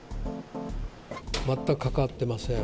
全く関わってません。